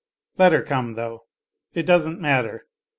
Let her come, though ; it doesn't matter.